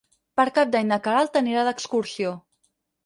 Per Cap d'Any na Queralt anirà d'excursió.